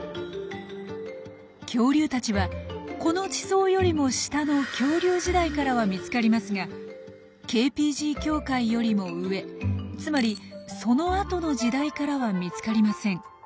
恐竜たちはこの地層よりも下の恐竜時代からは見つかりますがＫ／Ｐｇ境界よりも上つまり「その後の時代」からは見つかりません。